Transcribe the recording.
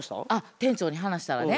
店長に話したらね